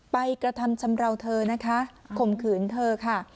กระทำชำราวเธอนะคะข่มขืนเธอค่ะ